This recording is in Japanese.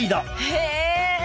へえ！